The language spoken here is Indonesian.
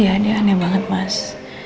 ya ini aneh banget mas